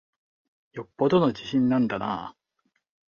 よっぽどの自信なんだなぁ。